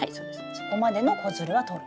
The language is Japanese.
そこまでの子づるはとる。